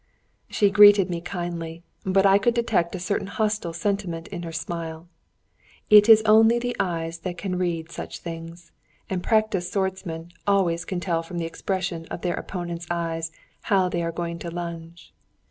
She greeted me kindly, but I could detect a certain hostile sentiment in her smile. It is only in the eyes that one can read such things, and practised swordsmen always can tell from the expression of their opponents' eyes how they are going to lunge.